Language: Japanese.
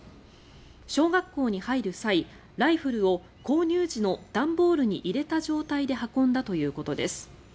小学校に入る際、ライフルを購入時の段ボールに入れた状態で運んだということです。